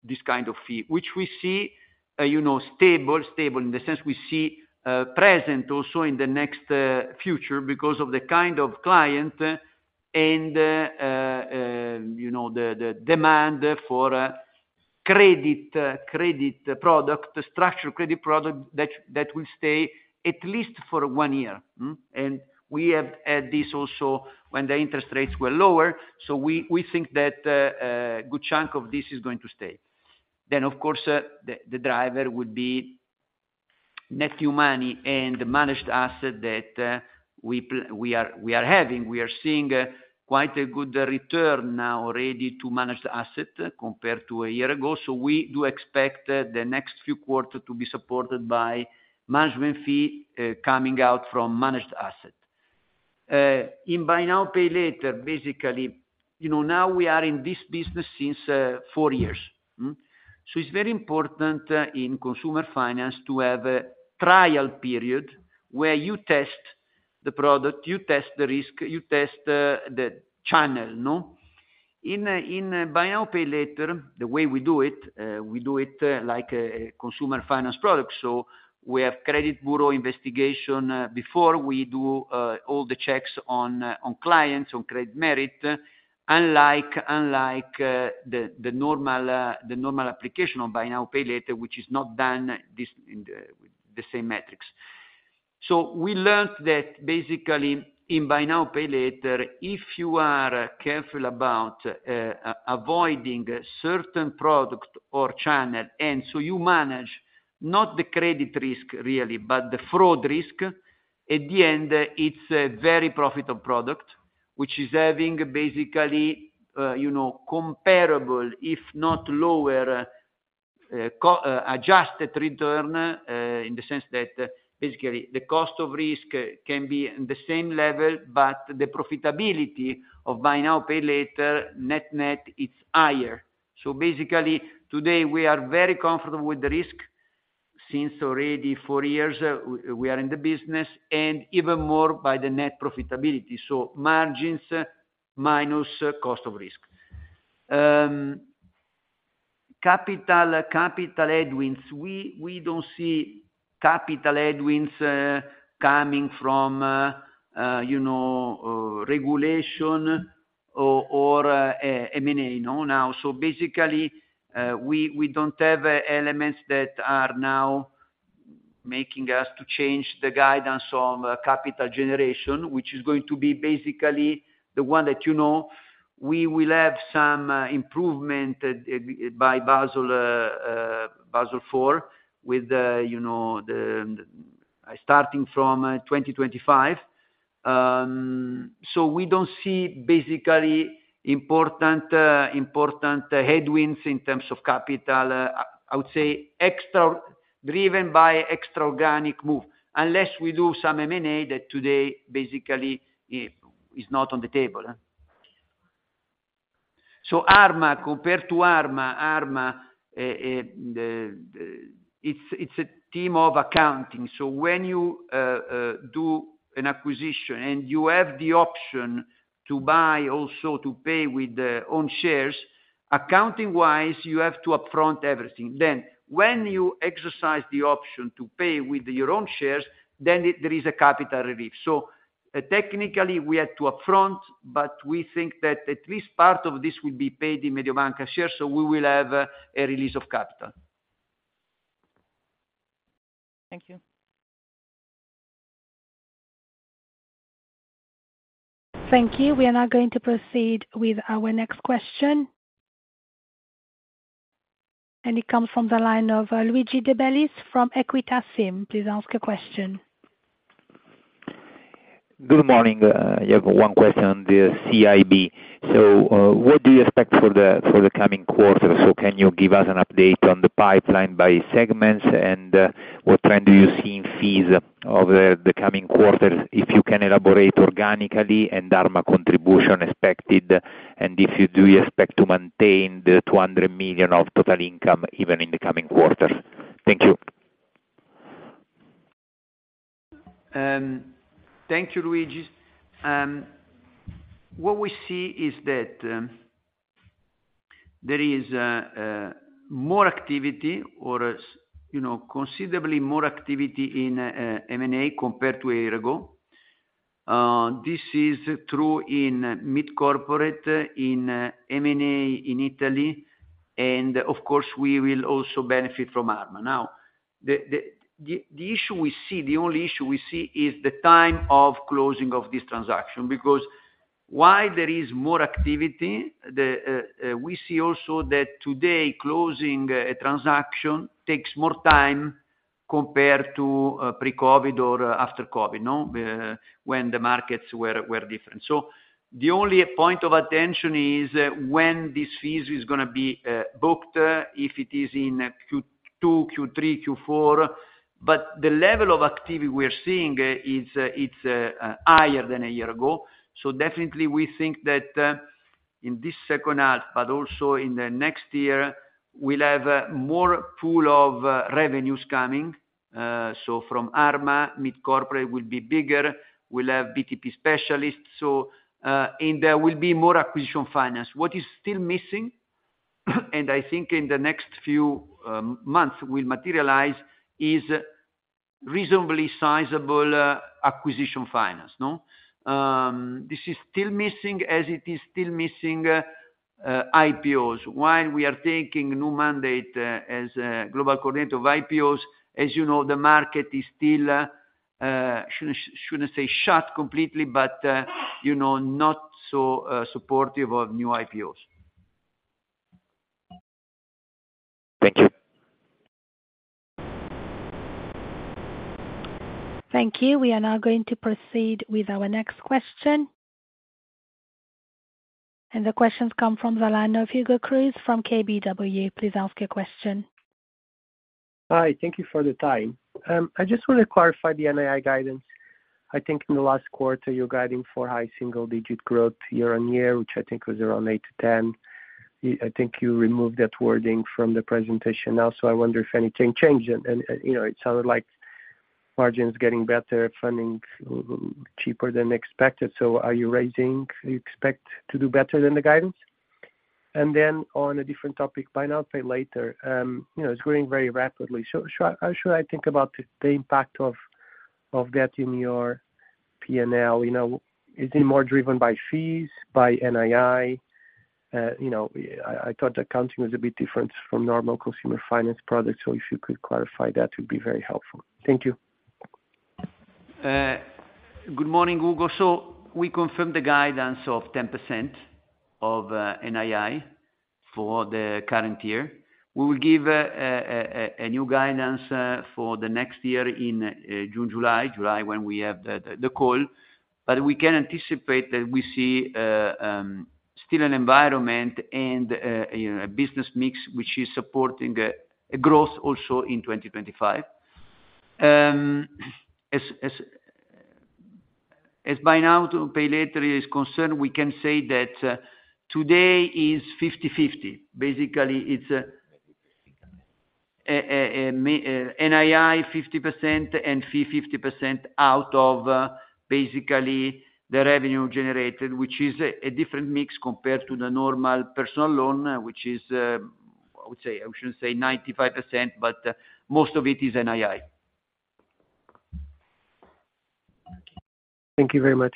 this kind of fee. Which we see, you know, stable, stable in the sense we see, present also in the next, future, because of the kind of client and, you know, the demand for credit, credit product, the structure credit product that will stay at least for one year. Mm-hmm. We have had this also when the interest rates were lower. So we think that good chunk of this is going to stay. Then, of course the driver would be net new money and managed asset that we are having. We are seeing, quite a good return now already to managed asset compared to a year ago. So we do expect, the next few quarter to be supported by management fee, coming out from managed asset. buy now, pay later, basically, you know, now we are in this business since four years. So it's very important in consumer finance to have a trial period where you test the product, you test the risk, you test the buy now, pay later, the way we do it like a consumer finance product. So we have credit bureau investigation before we do all the checks on clients, on credit merit, unlike the buy now, pay later, which is not done this in the same metrics. So we learned buy now, pay later, if you are careful about avoiding certain product or channel, and so you manage not the credit risk really, but the fraud risk. At the end, it's a very profitable product, which is having basically, you know, comparable if not lower, cost-adjusted return, in the sense that basically the cost of risk can be in the same level, but buy now, pay later, net net, it's higher. So basically, today, we are very comfortable with the risk since already four years we are in the business, and even more by the net profitability, so margins minus cost of risk. Capital headwinds. We don't see capital headwinds coming from, you know, regulation or M&A, no, now. So basically, we don't have elements that are now making us to change the guidance on capital generation, which is going to be basically the one that you know. We will have some improvement by Basel IV, with you know the starting from 2025. So we don't see basically important headwinds in terms of capital, I would say extra, driven by extra organic move, unless we do some M&A that today basically is not on the table. So Arma, compared to Arma, the it's a team of accounting. So when you do an acquisition, and you have the option to buy, also to pay with the own shares, accounting-wise, you have to upfront everything. Then, when you exercise the option to pay with your own shares, then there is a capital relief. So, technically, we had to upfront, but we think that at least part of this will be paid in Mediobanca shares, so we will have a release of capital. Thank you. Thank you. We are now going to proceed with our next question. It comes from the line of Luigi De Bellis from Equita SIM. Please ask a question. Good morning. I have one question on the CIB. So, what do you expect for the, for the coming quarter? So can you give us an update on the pipeline by segments, and, what trend do you see in fees over the coming quarters? If you can elaborate organically and Arma contribution expected, and if you do, you expect to maintain the 200 million of total income, even in the coming quarter. Thank you. Thank you, Luigi. What we see is that there is more activity or, you know, considerably more activity in M&A compared to a year ago. This is true in mid-corporate, in M&A, in Italy, and of course, we will also benefit from Arma. Now, the issue we see, the only issue we see is the time of closing of this transaction, because while there is more activity, we see also that today, closing a transaction takes more time compared to pre-COVID or after COVID, no? When the markets were different. So the only point of attention is when this fees is gonna be booked, if it is in Q2, Q3, Q4, but the level of activity we're seeing is higher than a year ago. So definitely we think that in this second half, but also in the next year, we'll have more pool of revenues coming. So from Arma, mid-corporate will be bigger. We'll have BTP specialists, so and there will be more acquisition finance. What is still missing, and I think in the next few months will materialize, is reasonably sizable acquisition finance, no? This is still missing, as it is still missing IPOs. While we are taking new mandate as global coordinator of IPOs, as you know, the market is still, shouldn't say, shut completely, but you know, not so supportive of new IPOs. Thank you. Thank you. We are now going to proceed with our next question. The question comes from the line of Hugo Cruz from KBW. Please ask your question. Hi, thank you for the time. I just want to clarify the NII guidance. I think in the last quarter, you're guiding for high single-digit growth year-on-year, which I think was around eight to 10. I think you removed that wording from the presentation now. So I wonder if anything changed. And you know, it sounded like margin is getting better, funding cheaper than expected. So are you raising... You expect to do better than the guidance? And then on buy now, pay later, you know, it's growing very rapidly. So how should I think about the impact of that in your P&L? You know, is it more driven by fees, by NII? You know, I thought the accounting was a bit different from normal consumer finance products. If you could clarify, that would be very helpful. Thank you. Good morning, Hugo. So we confirm the guidance of 10% of NII for the current year. We will give a new guidance for the next year in June, July. July, when we have the call. But we can anticipate that we see still an environment and you know a business mix, which is supporting a growth also in 2025. As buy now pay later is concerned, we can say that today is 50/50. Basically, it's NII 50% and fee 50% out of basically the revenue generated, which is a different mix compared to the normal personal loan, which is, I would say, I shouldn't say 95%, but most of it is NII. Thank you very much.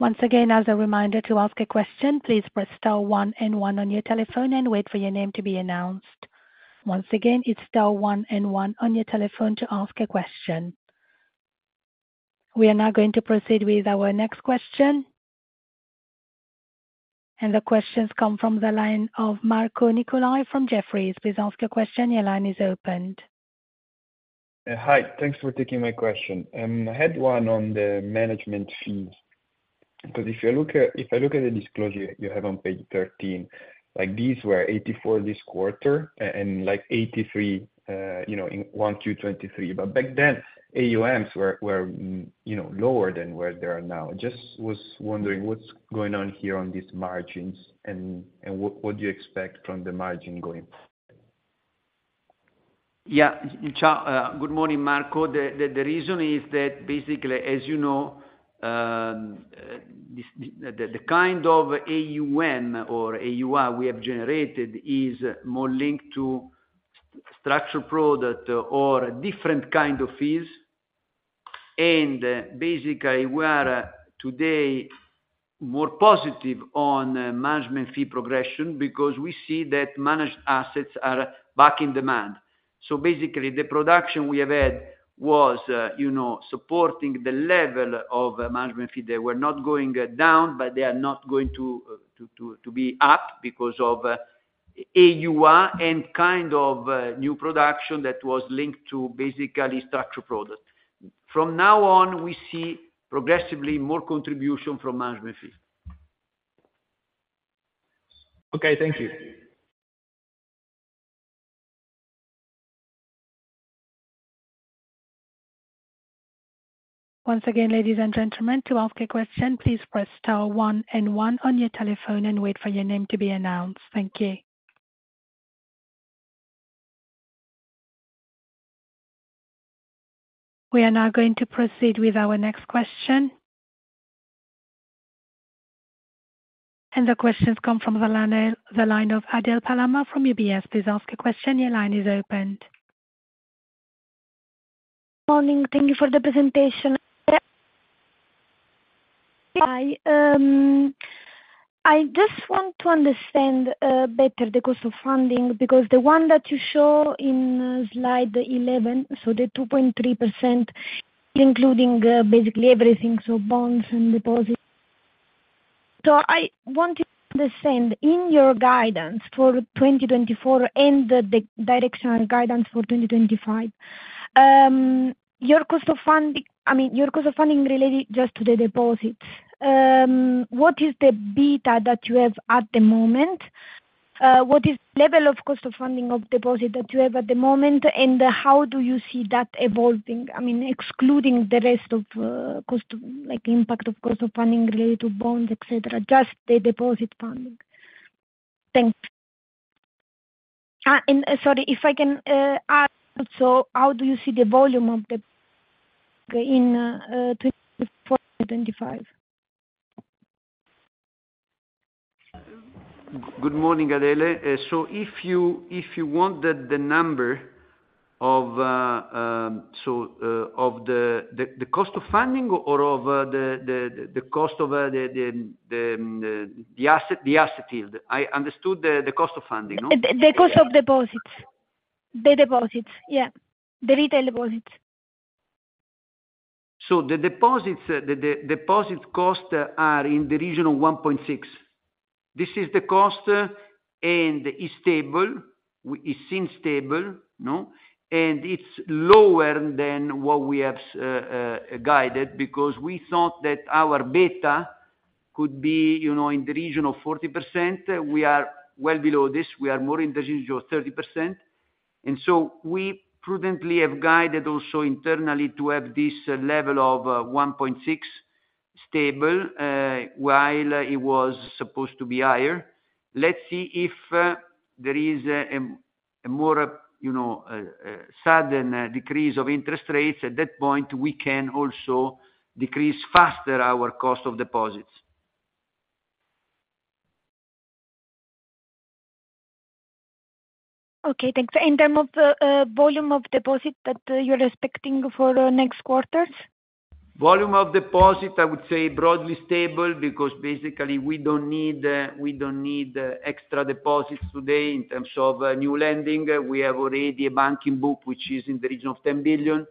Once again, as a reminder, to ask a question, please press star one and one on your telephone and wait for your name to be announced. Once again, it's star one and one on your telephone to ask a question. We are now going to proceed with our next question. The questions come from the line of Marco Nicolai from Jefferies. Please ask your question. Your line is open. Hi, thanks for taking my question. I had one on the management fees, because if you look at... If I look at the disclosure you have on page 13, like, these were 84 this quarter and, like, 83, you know, in 1Q 2023. But back then, AUMs were, you know, lower than where they are now. Just was wondering, what's going on here on these margins and what do you expect from the margin going forward? Yeah. Ciao. Good morning, Marco. The reason is that, basically, as you know, the kind of AUM or AUA we have generated is more linked to structured product or different kind of fees. And basically, we are today more positive on management fee progression because we see that managed assets are back in demand. So basically, the production we have had was, you know, supporting the level of management fee. They were not going down, but they are not going to be up because of AUA and kind of new production that was linked to basically structured products. From now on, we see progressively more contribution from management fees. Okay, thank you. Once again, ladies and gentlemen, to ask a question, please press star one and one on your telephone and wait for your name to be announced. Thank you. We are now going to proceed with our next question. The questions come from the line, the line of Adele Palama from UBS. Please ask your question. Your line is opened. Morning. Thank you for the presentation. Hi, I just want to understand better the cost of funding, because the one that you show in slide 11, so the 2.3%, including basically everything, so bonds and deposits. So I want to understand, in your guidance for 2024 and the directional guidance for 2025, your cost of funding, I mean, your cost of funding related just to the deposits, what is the beta that you have at the moment? What is level of cost of funding of deposit that you have at the moment, and how do you see that evolving? I mean, excluding the rest of cost, like impact of cost of funding related to bonds, et cetera, just the deposit funding. Thanks. Sorry, if I can add also, how do you see the volume of the deposits in 2024, 2025? Good morning, Adele. So if you want the number of the cost of funding or of the cost of the asset yield? I understood the cost of funding, no? The cost of deposits. The deposits, yeah. The retail deposits. So the deposits, the deposit costs are in the region of 1.6%. This is the cost, and is stable, it seems stable, no? And it's lower than what we have guided, because we thought that our beta could be, you know, in the region of 40%. We are well below this. We are more in the region of 30%, and so we prudently have guided also internally to have this level of 1.6% stable, while it was supposed to be higher. Let's see if there is a more, you know, sudden decrease of interest rates. At that point, we can also decrease faster our cost of deposits. Okay, thanks. In terms of volume of deposits that you're expecting for next quarters? Volume of deposit, I would say broadly stable, because basically we don't need, we don't need, extra deposits today in terms of, new lending. We have already a banking book, which is in the region of 10 billion.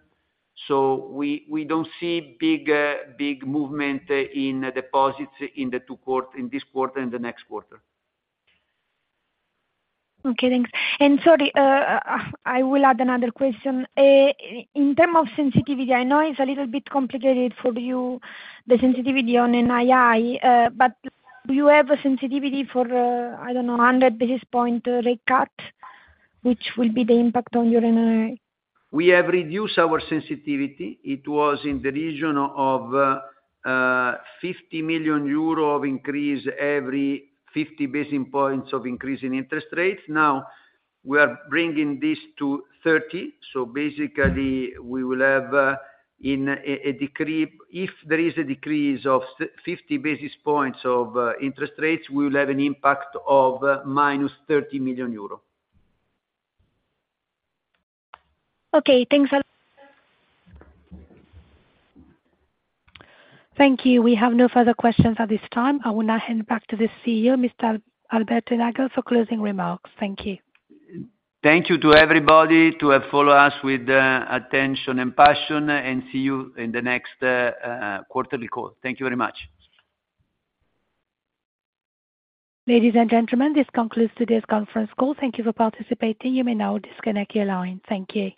So we, we don't see big, big movement, in deposits in the two quarter, in this quarter and the next quarter. Okay, thanks. Sorry, I will add another question. In term of sensitivity, I know it's a little bit complicated for you, the sensitivity on NII, but do you have a sensitivity for, I don't know, 100 basis point rate cut, which will be the impact on your NII? We have reduced our sensitivity. It was in the region of 50 million euro of increase every 50 basis points of increase in interest rates. Now, we are bringing this to 30 basis points, so basically we will have in a decrease, if there is a decrease of 50 basis points of interest rates, we will have an impact of -30 million euro. Okay. Thanks a lot. Thank you. We have no further questions at this time. I will now hand back to the CEO, Mr. Alberto Nagel, for closing remarks. Thank you. Thank you to everybody, to have follow us with attention and passion, and see you in the next quarterly call. Thank you very much. Ladies and gentlemen, this concludes today's conference call. Thank you for participating. You may now disconnect your line. Thank you.